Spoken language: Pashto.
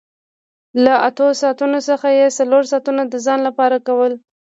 له اتو ساعتونو څخه یې څلور ساعته د ځان لپاره کول